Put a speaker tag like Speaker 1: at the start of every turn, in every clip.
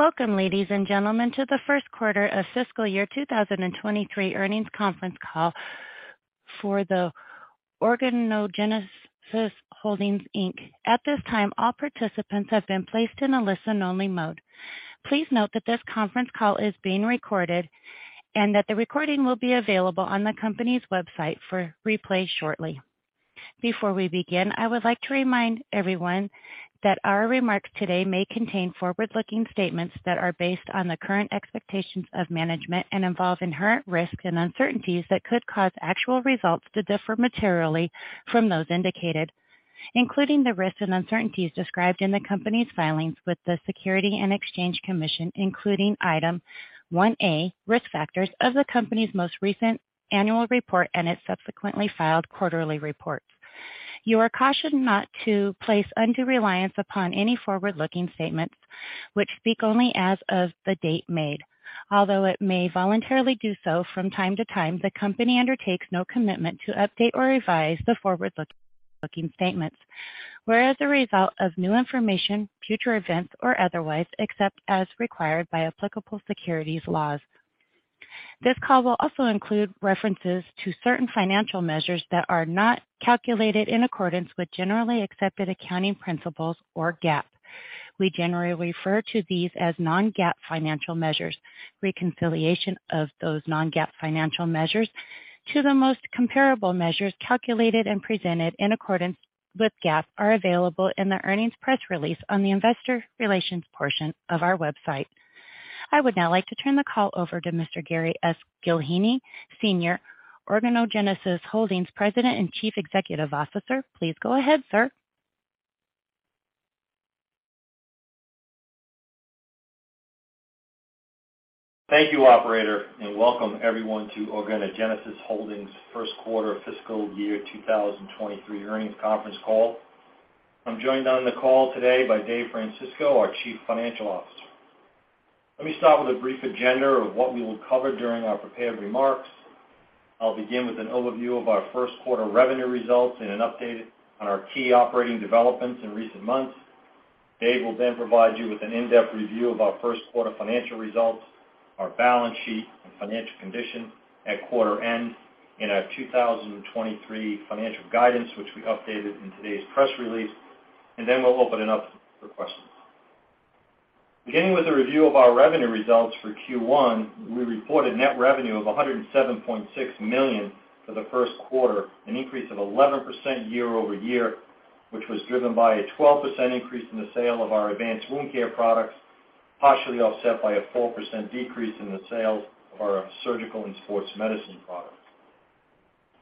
Speaker 1: Welcome, ladies and gentlemen, to the first quarter of fiscal year 2023 earnings conference call for the Organogenesis Holdings Inc. At this time, all participants have been placed in a listen-only mode. Please note that this conference call is being recorded and that the recording will be available on the company's website for replay shortly. Before we begin, I would like to remind everyone that our remarks today may contain forward-looking statements that are based on the current expectations of management and involve inherent risks and uncertainties that could cause actual results to differ materially from those indicated, including the risks and uncertainties described in the company's filings with the Securities and Exchange Commission, including Item 1A, Risk Factors of the company's most recent annual report and its subsequently filed quarterly reports. You are cautioned not to place undue reliance upon any forward-looking statements which speak only as of the date made. Although it may voluntarily do so from time to time, the company undertakes no commitment to update or revise the forward-looking statements, whereas the result of new information, future events or otherwise, except as required by applicable securities laws. This call will also include references to certain financial measures that are not calculated in accordance with generally accepted accounting principles or GAAP. We generally refer to these as non-GAAP financial measures. Reconciliation of those non-GAAP financial measures to the most comparable measures calculated and presented in accordance with GAAP are available in the earnings press release on the investor relations portion of our website. I would now like to turn the call over to Mr. Gary S. Gillheeney, Senior Organogenesis Holdings President and Chief Executive Officer. Please go ahead, sir.
Speaker 2: Thank you, Operator. Welcome everyone to Organogenesis Holdings first quarter fiscal year 2023 earnings conference call. I'm joined on the call today by Dave Francisco, our Chief Financial Officer. Let me start with a brief agenda of what we will cover during our prepared remarks. I'll begin with an overview of our first quarter revenue results and an update on our key operating developments in recent months. Dave will provide you with an in-depth review of our first quarter financial results, our balance sheet and financial condition at quarter end in our 2023 financial guidance, which we updated in today's press release. We'll open it up for questions. Beginning with a review of our revenue results for Q1, we reported net revenue of $107.6 million for the first quarter, an increase of 11% year-over-year, which was driven by a 12% increase in the sale of our advanced wound care products, partially offset by a 4% decrease in the sales of our surgical and sports medicine products.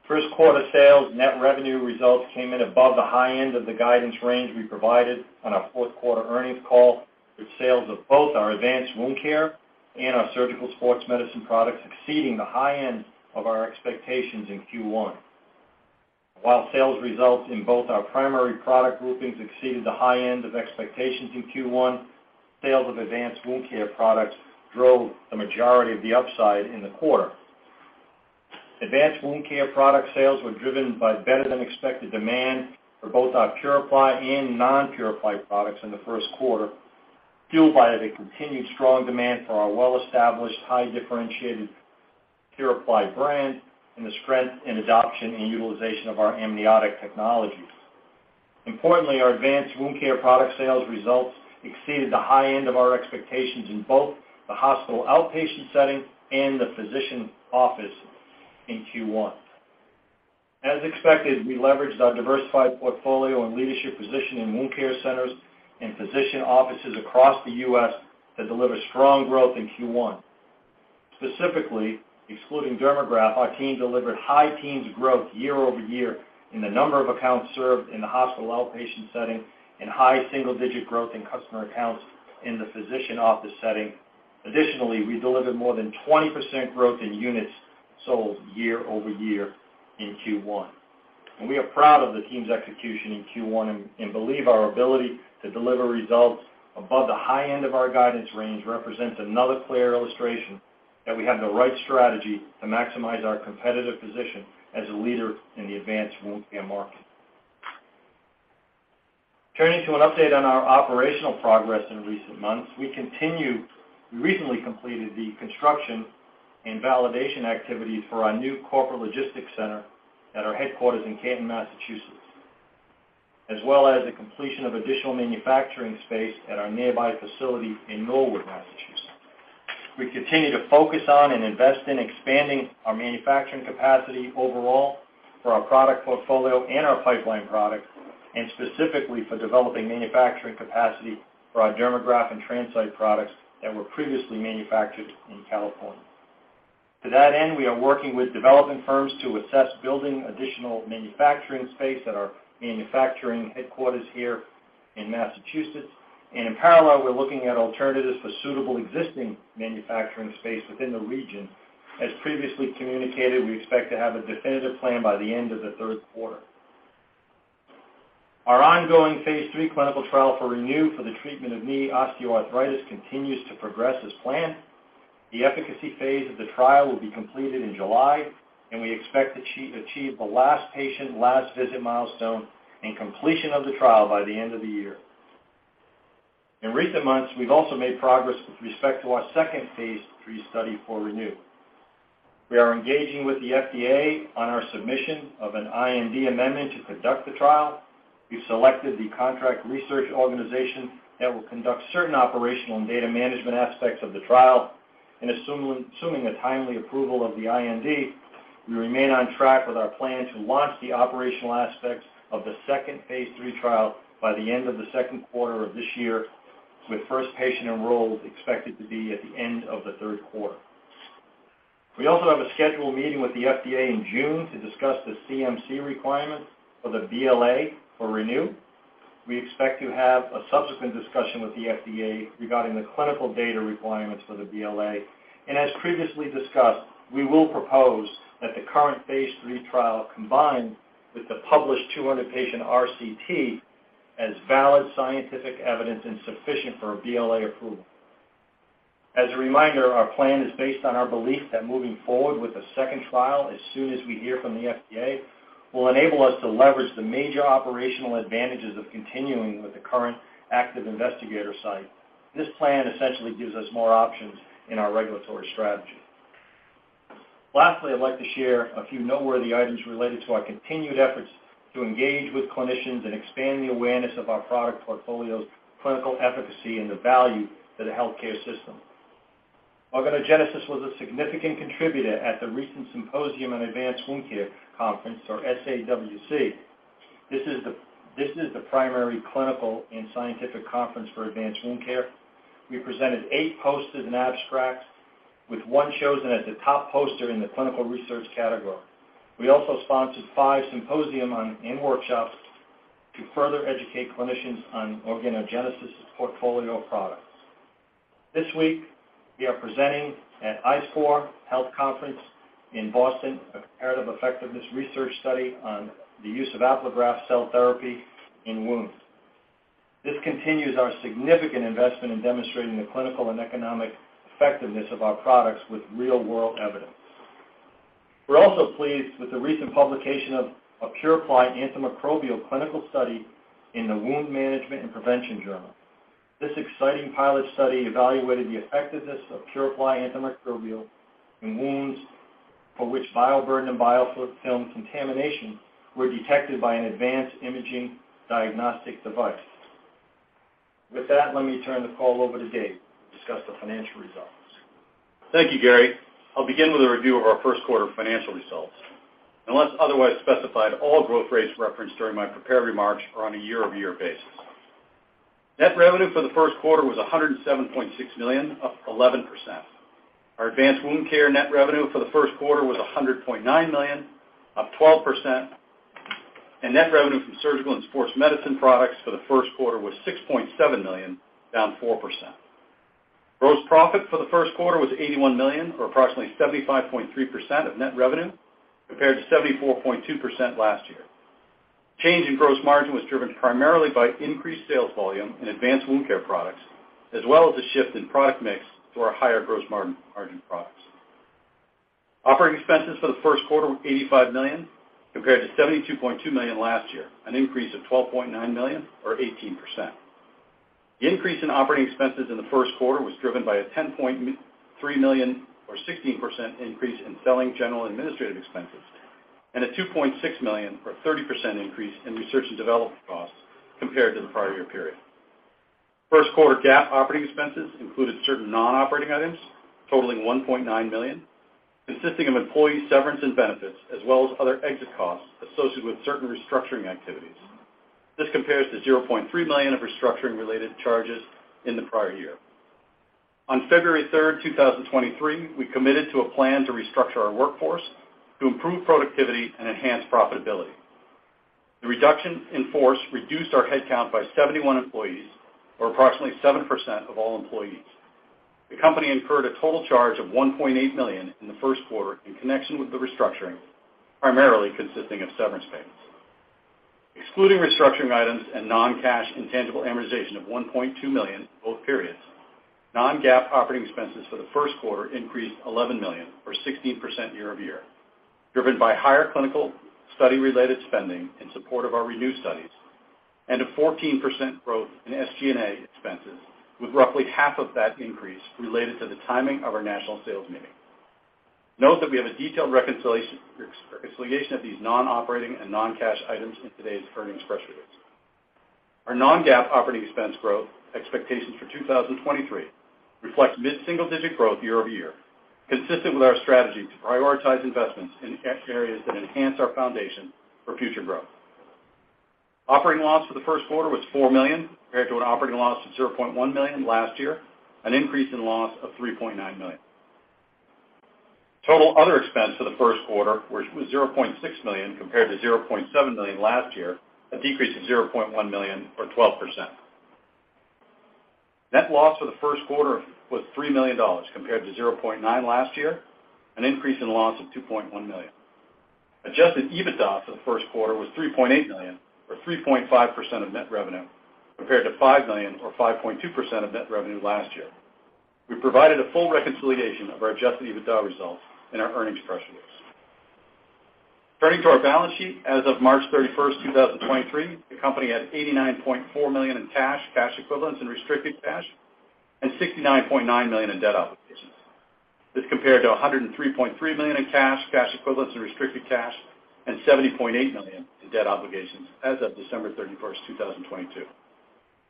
Speaker 2: First quarter sales net revenue results came in above the high end of the guidance range we provided on our fourth quarter earnings call, with sales of both our advanced wound care and our surgical sports medicine products exceeding the high end of our expectations in Q1. While sales results in both our primary product groupings exceeded the high end of expectations in Q1, sales of advanced wound care products drove the majority of the upside in the quarter. Advanced wound care product sales were driven by better than expected demand for both our PuraPly and non-PuraPly products in the first quarter, fueled by the continued strong demand for our well-established, high differentiated PuraPly brand and the strength in adoption and utilization of our amniotic technologies. Importantly, our advanced wound care product sales results exceeded the high end of our expectations in both the hospital outpatient setting and the physician office in Q1. As expected, we leveraged our diversified portfolio and leadership position in wound care centers and physician offices across the U.S. to deliver strong growth in Q1. Specifically, excluding Dermagraft, our team delivered high teens growth year-over-year in the number of accounts served in the hospital outpatient setting and high single digit growth in customer accounts in the physician office setting. We delivered more than 20% growth in units sold year-over-year in Q1. We are proud of the team's execution in Q1 and believe our ability to deliver results above the high end of our guidance range represents another clear illustration that we have the right strategy to maximize our competitive position as a leader in the advanced wound care market. Turning to an update on our operational progress in recent months. We recently completed the construction and validation activities for our new corporate logistics center at our headquarters in Canton, Massachusetts, as well as the completion of additional manufacturing space at our nearby facility in Norwood, Massachusetts. We continue to focus on and invest in expanding our manufacturing capacity overall for our product portfolio and our pipeline products, and specifically for developing manufacturing capacity for our Dermagraft and TransCyte products that were previously manufactured in California. To that end, we are working with development firms to assess building additional manufacturing space at our manufacturing headquarters here in Massachusetts. In parallel, we're looking at alternatives for suitable existing manufacturing space within the region. As previously communicated, we expect to have a definitive plan by the end of the third quarter. Our ongoing phase III clinical trial for ReNu for the treatment of knee osteoarthritis continues to progress as planned. The efficacy phase of the trial will be completed in July, and we expect to achieve the last patient, last visit milestone and completion of the trial by the end of the year. In recent months, we've also made progress with respect to our second phase III study for ReNu. We are engaging with the FDA on our submission of an IND amendment to conduct the trial. We've selected the contract research organization that will conduct certain operational and data management aspects of the trial, and assuming a timely approval of the IND, we remain on track with our plan to launch the operational aspects of the second phase III trial by the end of the second quarter of this year, with first patient enrolled expected to be at the end of the third quarter. We also have a scheduled meeting with the FDA in June to discuss the CMC requirements for the BLA for ReNu. We expect to have a subsequent discussion with the FDA regarding the clinical data requirements for the BLA. As previously discussed, we will propose that the current phase III trial combined with the published 200 patient RCT as valid scientific evidence and sufficient for a BLA approval. As a reminder, our plan is based on our belief that moving forward with the second trial as soon as we hear from the FDA will enable us to leverage the major operational advantages of continuing with the current active investigator site. This plan essentially gives us more options in our regulatory strategy. Lastly, I'd like to share a few noteworthy items related to our continued efforts to engage with clinicians and expand the awareness of our product portfolio's clinical efficacy and the value to the healthcare system. Organogenesis was a significant contributor at the recent Symposium on Advanced Wound Care conference, or SAWC. This is the primary clinical and scientific conference for advanced wound care. We presented eight posters and abstracts, with one chosen as the top poster in the clinical research category. We also sponsored five symposium and workshops to further educate clinicians on Organogenesis' portfolio of products. This week, we are presenting at ISPOR Health Conference in Boston, a comparative effectiveness research study on the use of Apligraf cell therapy in wounds. This continues our significant investment in demonstrating the clinical and economic effectiveness of our products with real-world evidence. We're also pleased with the recent publication of a PuraPly antimicrobial clinical study in the Wound Management & Prevention Journal. This exciting pilot study evaluated the effectiveness of PuraPly antimicrobial in wounds for which bioburden and biofilm contamination were detected by an advanced imaging diagnostic device. Let me turn the call over to Dave to discuss the financial results.
Speaker 3: Thank you, Gary. I'll begin with a review of our first quarter financial results. Unless otherwise specified, all growth rates referenced during my prepared remarks are on a year-over-year basis. Net revenue for the first quarter was $107.6 million, up 11%. Our advanced wound care net revenue for the first quarter was $100.9 million, up 12%, and net revenue from Surgical and Sports Medicine products for the first quarter was $6.7 million, down 4%. Gross profit for the first quarter was $81 million, or approximately 75.3% of net revenue, compared to 74.2% last year. Change in gross margin was driven primarily by increased sales volume in advanced wound care products, as well as a shift in product mix to our higher gross margin products. Operating expenses for the first quarter were $85 million, compared to $72.2 million last year, an increase of $12.9 million or 18%. The increase in operating expenses in the first quarter was driven by a $10.3 million or 16% increase in selling, general, and administrative expenses, and a $2.6 million or 30% increase in research and development costs compared to the prior-year period. First quarter GAAP operating expenses included certain non-operating items totaling $1.9 million, consisting of employee severance and benefits, as well as other exit costs associated with certain restructuring activities. This compares to $0.3 million of restructuring related charges in the prior-year. On February third, 2023, we committed to a plan to restructure our workforce to improve productivity and enhance profitability. The reduction in force reduced our headcount by 71 employees or approximately 7% of all employees. The company incurred a total charge of $1.8 million in the first quarter in connection with the restructuring, primarily consisting of severance payments. Excluding restructuring items and non-cash intangible amortization of $1.2 million, both periods, non-GAAP operating expenses for the first quarter increased $11 million or 16% year-over-year, driven by higher clinical study related spending in support of our ReNu studies and a 14% growth in SG&A expenses, with roughly half of that increase related to the timing of our national sales meeting. Note that we have a detailed reconciliation of these non-operating and non-cash items in today's earnings press release. Our non-GAAP operating expense growth expectations for 2023 reflect mid-single digit growth year-over-year, consistent with our strategy to prioritize investments in areas that enhance our foundation for future growth. Operating loss for the first quarter was $4 million, compared to an operating loss of $0.1 million last year, an increase in loss of $3.9 million. Total other expense for the first quarter was $0.6 million compared to $0.7 million last year, a decrease of $0.1 million or 12%. Net loss for the first quarter was $3 million compared to $0.9 million last year, an increase in loss of $2.1 million. Adjusted EBITDA for the first quarter was $3.8 million, or 3.5% of net revenue, compared to $5 million or 5.2% of net revenue last year. We provided a full reconciliation of our adjusted EBITDA results in our earnings press release. Turning to our balance sheet, as of March 31st, 2023, the company had $89.4 million in cash equivalents, and restricted cash, and $69.9 million in debt obligations. This compared to $103.3 million in cash equivalents, and restricted cash and $78. million in debt obligations as of December 31st, 2022.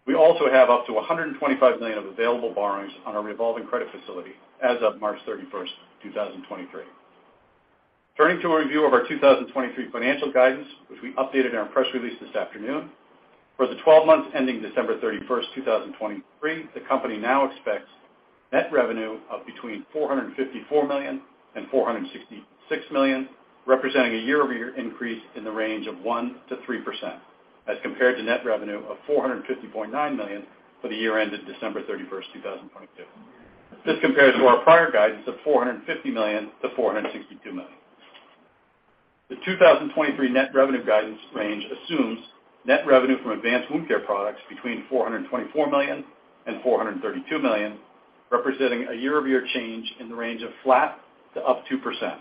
Speaker 3: We also have up to $125 million of available borrowings on our revolving credit facility as of March 31st, 2023. Turning to a review of our 2023 financial guidance, which we updated in our press release this afternoon. For the 12 months ending December 31st, 2023, the company now expects net revenue of between $454 million and $466 million, representing a year-over-year increase in the range of 1%-3% as compared to net revenue of $450.9 million for the year-ended December 31, 2022. This compares to our prior guidance of $450 million-$462 million. The 2023 net revenue guidance range assumes net revenue from advanced wound care products between $424 million and $432 million, representing a year-over-year change in the range of flat to up 2%.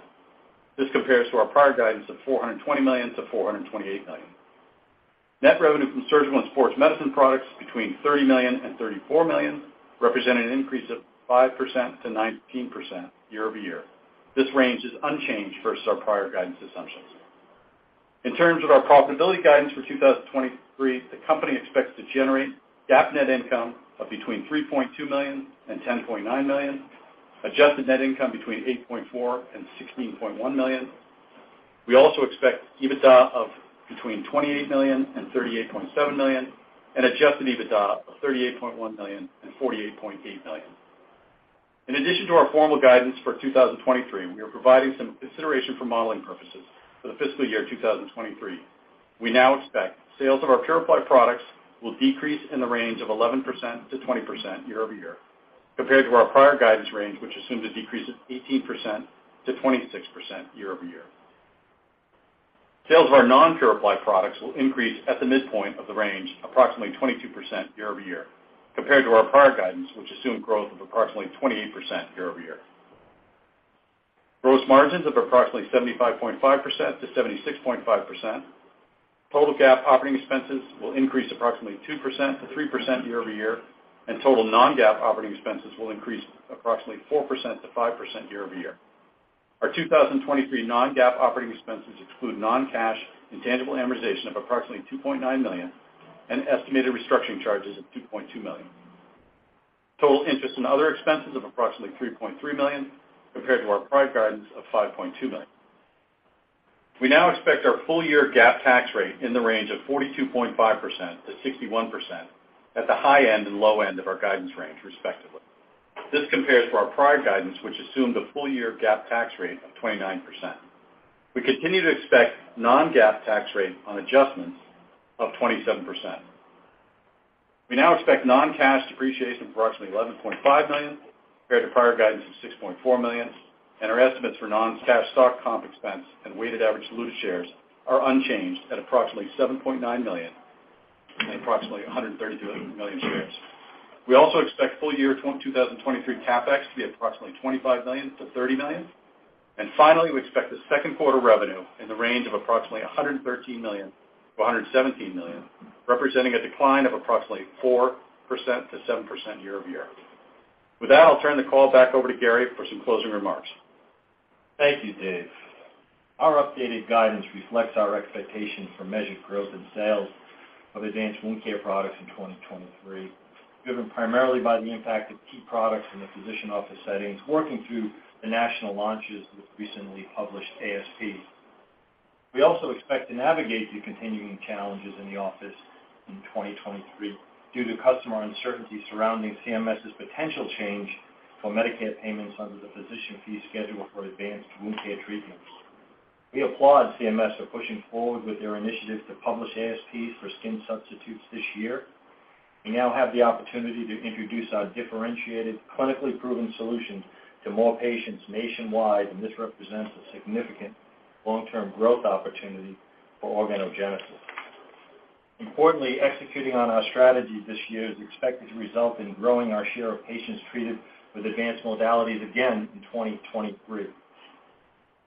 Speaker 3: This compares to our prior guidance of $420 million-$428 million. Net revenue from surgical and sports medicine products between $30 million and $34 million, represent an increase of 5%-19% year-over-year. This range is unchanged versus our prior guidance assumptions. In terms of our profitability guidance for 2023, the company expects to generate GAAP net income of between $3.2 million and $10.9 million, adjusted net income between $8.4 million and $16.1 million. We also expect EBITDA of between $28 million and $38.7 million, and adjusted EBITDA of $38.1 million and $48.8 million. In addition to our formal guidance for 2023, we are providing some consideration for modeling purposes for the fiscal year 2023. We now expect sales of our PuraPly products will decrease in the range of 11%-20% year-over-year, compared to our prior guidance range, which assumed a decrease of 18%-26% year-over-year. Sales of our non-PuraPly products will increase at the midpoint of the range approximately 22% year-over-year, compared to our prior guidance, which assumed growth of approximately 28% year-over-year. Gross margins of approximately 75.5%-76.5%. Total GAAP operating expenses will increase approximately 2%-3% year-over-year. Total non-GAAP operating expenses will increase approximately 4%-5% year-over-year. Our 2023 non-GAAP operating expenses exclude non-cash intangible amortization of approximately $2.9 million and estimated restructuring charges of $2.2 million. Total interest and other expenses of approximately $3.3 million compared to our prior guidance of $5.2 million. We now expect our full-year GAAP tax rate in the range of 42.5%-61% at the high end and low end of our guidance range, respectively. This compares to our prior guidance, which assumed a full-year GAAP tax rate of 29%. We continue to expect non-GAAP tax rate on adjustments of 27%. We now expect non-cash depreciation of approximately $11.5 million compared to prior guidance of $6.4 million. Our estimates for non-cash stock comp expense and weighted average diluted shares are unchanged at approximately $7.9 million and approximately 132 million shares. We also expect full-year 2023 CapEx to be approximately $25 million-$30 million. Finally, we expect the second quarter revenue in the range of approximately $113 million-$117 million, representing a decline of approximately 4%-7% year-over-year. With that, I'll turn the call back over to Gary for some closing remarks.
Speaker 2: Thank you, Dave. Our updated guidance reflects our expectations for measured growth in sales of advanced wound care products in 2023, driven primarily by the impact of key products in the physician office settings, working through the national launches with recently published ASPs. We also expect to navigate the continuing challenges in the office in 2023 due to customer uncertainty surrounding CMS's potential change for Medicare payments under the physician fee schedule for advanced wound care treatments. We applaud CMS for pushing forward with their initiative to publish ASPs for skin substitutes this year. We now have the opportunity to introduce our differentiated, clinically proven solutions to more patients nationwide, and this represents a significant long-term growth opportunity for Organogenesis. Importantly, executing on our strategy this year is expected to result in growing our share of patients treated with advanced modalities again in 2023.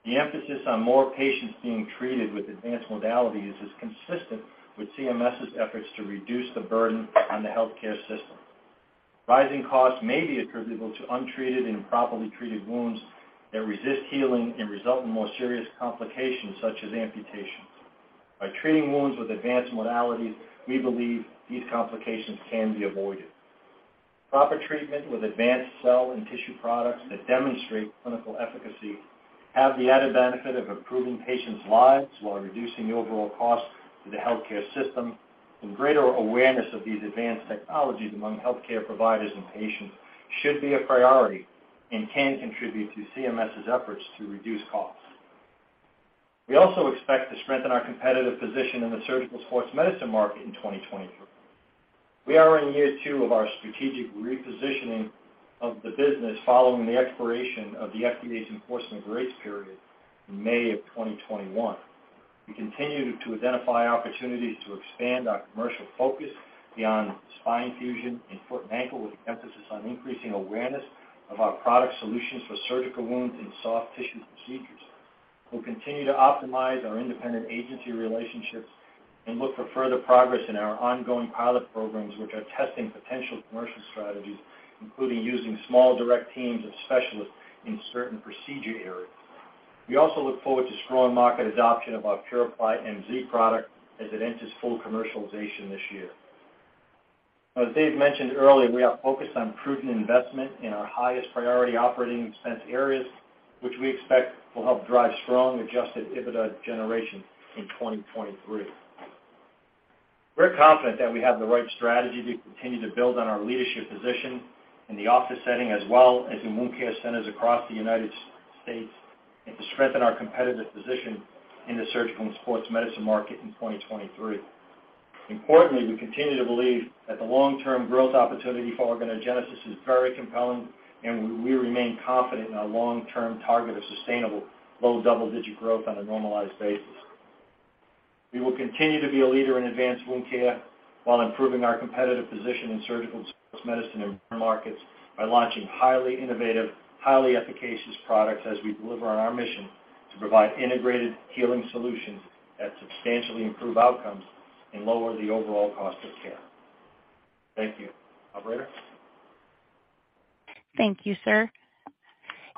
Speaker 2: The emphasis on more patients being treated with advanced modalities is consistent with CMS's efforts to reduce the burden on the healthcare system. Rising costs may be attributable to untreated and improperly treated wounds that resist healing and result in more serious complications, such as amputations. By treating wounds with advanced modalities, we believe these complications can be avoided. Proper treatment with advanced cell and tissue products that demonstrate clinical efficacy have the added benefit of improving patients' lives while reducing overall costs to the healthcare system, and greater awareness of these advanced technologies among healthcare providers and patients should be a priority and can contribute to CMS's efforts to reduce costs. We also expect to strengthen our competitive position in the surgical sports medicine market in 2023. We are in year two of our strategic repositioning of the business following the expiration of the FDA's enforcement grace period in May of 2021. We continue to identify opportunities to expand our commercial focus beyond spine fusion and foot and ankle, with an emphasis on increasing awareness of our product solutions for surgical wounds and soft tissue procedures. We'll continue to optimize our independent agency relationships and look for further progress in our ongoing pilot programs, which are testing potential commercial strategies, including using small direct teams of specialists in certain procedure areas. We also look forward to strong market adoption of our PuraPly MZ product as it enters full commercialization this year. As Dave mentioned earlier, we are focused on prudent investment in our highest priority operating expense areas, which we expect will help drive strong adjusted EBITDA generation in 2023. We're confident that we have the right strategy to continue to build on our leadership position in the office setting as well as in wound care centers across the United States, and to strengthen our competitive position in the surgical and sports medicine market in 2023. Importantly, we continue to believe that the long-term growth opportunity for Organogenesis is very compelling, and we remain confident in our long-term target of sustainable low double-digit growth on a normalized basis. We will continue to be a leader in advanced wound care while improving our competitive position in surgical and sports medicine end markets by launching highly innovative, highly efficacious products as we deliver on our mission to provide integrated healing solutions that substantially improve outcomes and lower the overall cost of care. Thank you. Operator?
Speaker 1: Thank you, sir.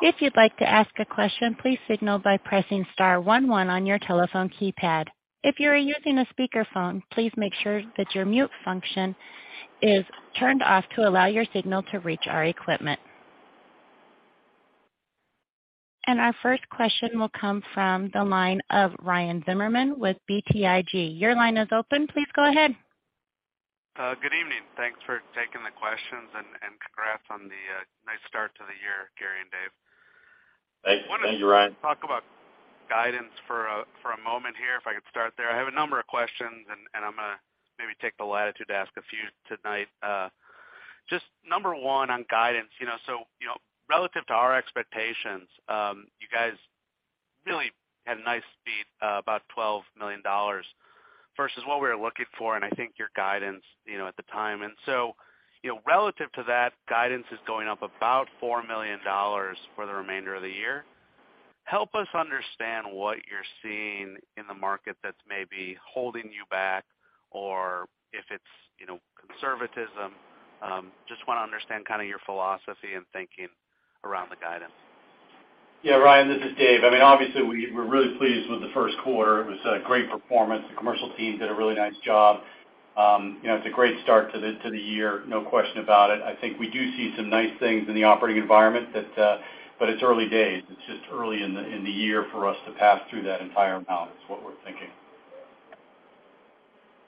Speaker 1: If you'd like to ask a question, please signal by pressing star 11 on your telephone keypad. If you are using a speakerphone, please make sure that your mute function is turned off to allow your signal to reach our equipment. Our first question will come from the line of Ryan Zimmerman with BTIG. Your line is open. Please go ahead.
Speaker 4: Good evening. Thanks for taking the questions, and congrats on the nice start to the year, Gary and Dave.
Speaker 2: Thank you, Ryan.
Speaker 4: Wanted to talk about guidance for a moment here, if I could start there. I have a number of questions, and I'm gonna maybe take the latitude to ask a few tonight. Just number one, on guidance, you know, so, you know, relative to our expectations, you guys really had a nice beat, about $12 million versus what we were looking for and I think your guidance, you know, at the time. Relative to that, guidance is going up about $4 million for the remainder of the year. Help us understand what you're seeing in the market that's maybe holding you back or if it's, you know, conservatism. Just wanna understand kinda your philosophy and thinking around the guidance.
Speaker 3: Yeah, Ryan, this is Dave. I mean, obviously we're really pleased with the first quarter. It was a great performance. The commercial team did a really nice job. You know, it's a great start to the year, no question about it. I think we do see some nice things in the operating environment that, but it's early days. It's just early in the year for us to pass through that entire amount is what we're thinking.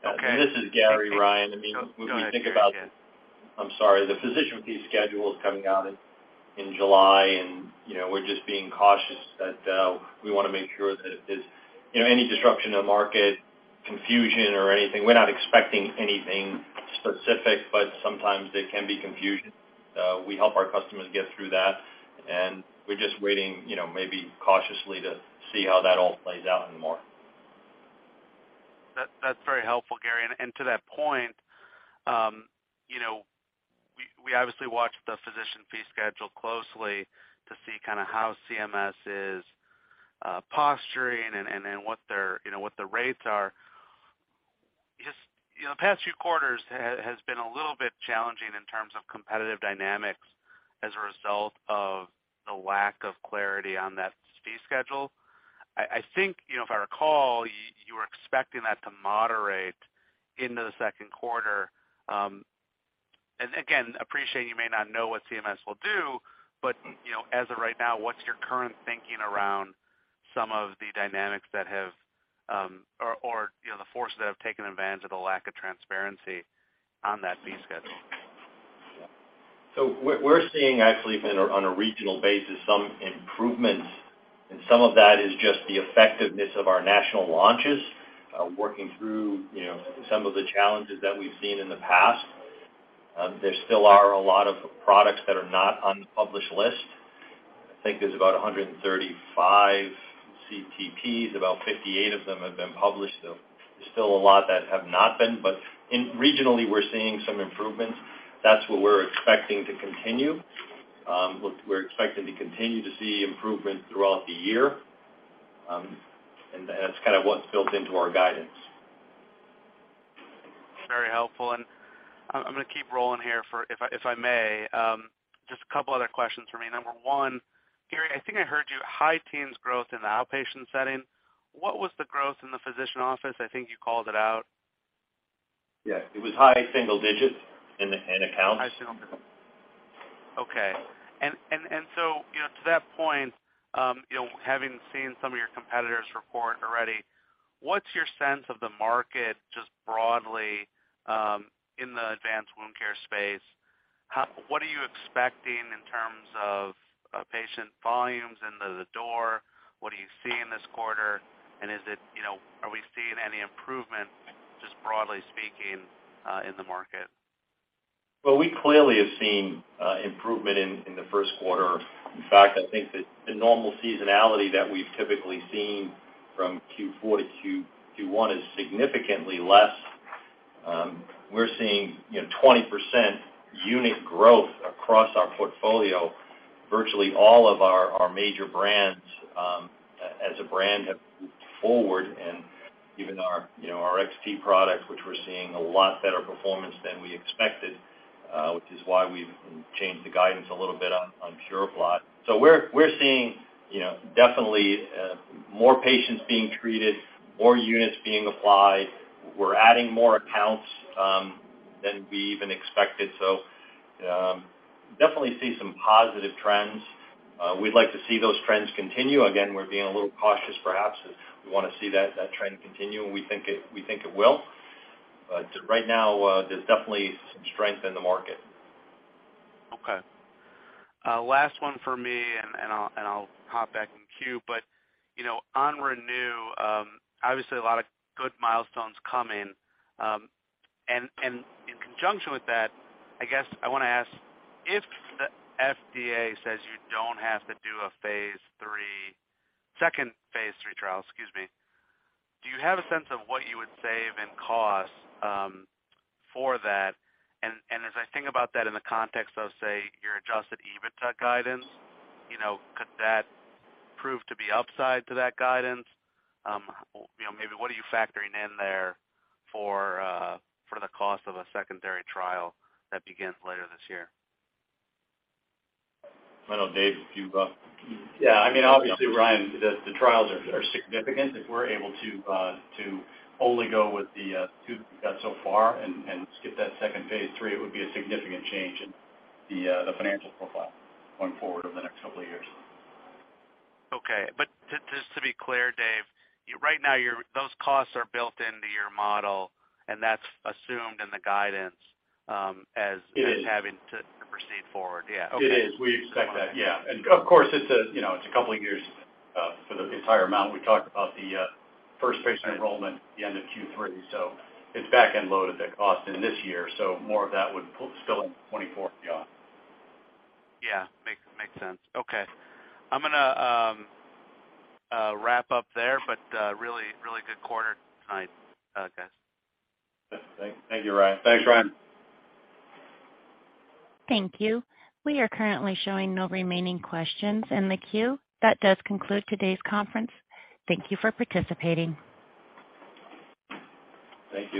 Speaker 4: Okay.
Speaker 2: This is Gary, Ryan. I mean, when we think about.
Speaker 4: Go ahead, Gary. Yeah.
Speaker 2: I'm sorry. The physician fee schedule is coming out in July, you know, we're just being cautious that we wanna make sure that if there's, you know, any disruption to market confusion or anything, we're not expecting anything specific, but sometimes there can be confusion. We help our customers get through that, we're just waiting, you know, maybe cautiously to see how that all plays out and more.
Speaker 4: That's very helpful, Gary. To that point, you know, we obviously watched the physician fee schedule closely to see kind of how CMS is posturing and what their, you know, what the rates are. Just, you know, the past few quarters has been a little bit challenging in terms of competitive dynamics as a result of the lack of clarity on that fee schedule. I think, you know, if I recall, you were expecting that to moderate into the second quarter. And again, appreciate you may not know what CMS will do, but, you know, as of right now, what's your current thinking around some of the dynamics that have, or, you know, the forces that have taken advantage of the lack of transparency on that fee schedule?
Speaker 2: We're seeing actually on a regional basis some improvements, and some of that is just the effectiveness of our national launches, working through, you know, some of the challenges that we've seen in the past. There still are a lot of products that are not on the published list. I think there's about 135 CTPs, about 58 of them have been published. There's still a lot that have not been. Regionally, we're seeing some improvements. That's what we're expecting to continue. We're expecting to continue to see improvement throughout the year. That's kinda what's built into our guidance.
Speaker 4: Very helpful. I'm gonna keep rolling here if I may, just a couple other questions for me. Number one, Gary, I think I heard you, high teens growth in the outpatient setting. What was the growth in the physician office? I think you called it out.
Speaker 2: Yeah. It was high single digits in the accounts.
Speaker 4: High single. Okay. You know, to that point, you know, having seen some of your competitors report already, what's your sense of the market just broadly in the advanced wound care space? What are you expecting in terms of patient volumes into the door? What are you seeing this quarter? Is it, you know, are we seeing any improvement, just broadly speaking, in the market?
Speaker 2: We clearly have seen improvement in the first quarter. I think that the normal seasonality that we've typically seen from Q4 to Q1 is significantly less. We're seeing, you know, 20% unit growth across our portfolio. Virtually all of our major brands, as a brand, have moved forward and even our, you know, our XT products, which we're seeing a lot better performance than we expected, which is why we've changed the guidance a little bit on PuraPly. We're seeing, you know, definitely, more patients being treated, more units being applied. We're adding more accounts than we even expected. Definitely see some positive trends. We'd like to see those trends continue. Again, we're being a little cautious, perhaps, as we wanna see that trend continue, and we think it will. Right now, there's definitely some strength in the market.
Speaker 4: Okay. Last one for me, and I'll hop back in the queue. You know, on ReNu, obviously a lot of good milestones coming. In conjunction with that, I guess I wanna ask, if the FDA says you don't have to do a second phase III trial, excuse me, do you have a sense of what you would save in cost for that? As I think about that in the context of, say, your adjusted EBITDA guidance, you know, could that prove to be upside to that guidance? You know, maybe what are you factoring in there for the cost of a secondary trial that begins later this year?
Speaker 2: I know Dave, if you'd.
Speaker 3: Yeah. I mean, obviously, Ryan, the trials are significant. If we're able to only go with the two we've got so far and skip that second phase III, it would be a significant change in the financial profile going forward over the next couple of years.
Speaker 4: Okay. Just to be clear, Dave, right now, those costs are built into your model, and that's assumed in the guidance.
Speaker 3: It is.
Speaker 4: as having to proceed forward. Yeah. Okay.
Speaker 3: It is. We expect that. Yeah. Of course, it's a, you know, it's a couple of years for the entire amount. We talked about the first patient enrollment at the end of Q3. It's back-end loaded, the cost in this year. More of that would spill in 2024. Yeah.
Speaker 4: Yeah. Makes sense. Okay. I'm gonna wrap up there, but really good quarter tonight, guys.
Speaker 2: Thank you, Ryan.
Speaker 3: Thanks, Ryan.
Speaker 1: Thank you. We are currently showing no remaining questions in the queue. That does conclude today's conference. Thank you for participating.
Speaker 2: Thank you.